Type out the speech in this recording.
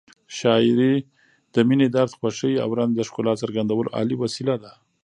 شاعري د مینې، درد، خوښۍ او رنج د ښکلا څرګندولو عالي وسیله ده.